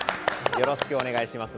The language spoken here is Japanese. よろしくお願いします。